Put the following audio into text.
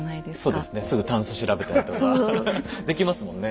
そうですねすぐタンス調べたりとかできますもんね。